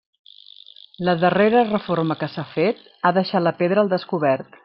La darrera reforma que s'ha fet ha deixat la pedra al descobert.